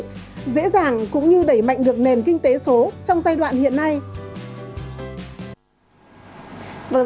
dễ dàng cũng như đẩy mạnh được nền kinh tế số trong giai đoạn hiện nay